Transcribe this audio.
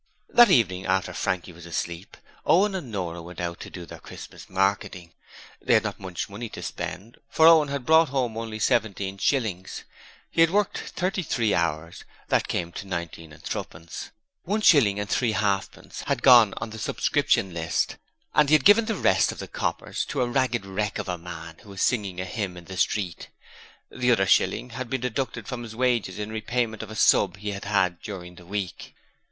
That evening, after Frankie was asleep, Owen and Nora went out to do their Christmas marketing. They had not much money to spend, for Owen had brought home only seventeen shillings. He had worked thirty three hours that came to nineteen and threepence one shilling and threehalfpence had gone on the subscription list, and he had given the rest of the coppers to a ragged wreck of a man who was singing a hymn in the street. The other shilling had been deducted from his wages in repayment of a 'sub' he had had during the week.